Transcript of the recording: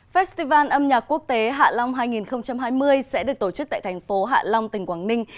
festival âm nhạc quốc tế hạ long hai nghìn hai mươi sẽ được tổ chức tại thành phố hạ long tỉnh quảng ninh